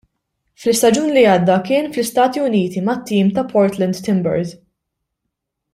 Fl-istaġun li għadda kien fl-Istati Uniti mat-tim ta' Portland Timbers.